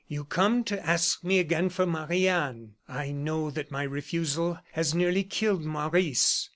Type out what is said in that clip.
You come to ask me again for Marie Anne. I know that my refusal has nearly killed Maurice.